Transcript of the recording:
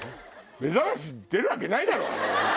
『めざまし』出るわけないだろ！